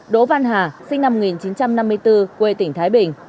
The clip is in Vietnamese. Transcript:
đỗ văn hà sinh năm một nghìn chín trăm năm mươi bốn quê tỉnh thái bình